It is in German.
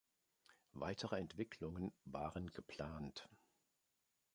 Weitere Entwicklungen waren geplant.